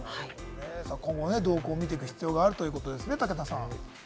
今後、動向を見ていく必要があるということですね、武田さん。